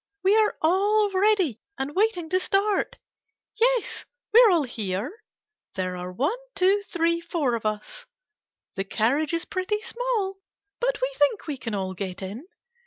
We are all ready and waiting to start. Yes, we are all here. There are one, two, three, four of us. The carriage is pretty small, but we think we can all get in.